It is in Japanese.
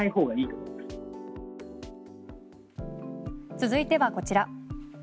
続いてはこちら。